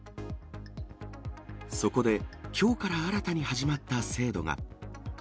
そこで、きょうから新たに始まった制度が。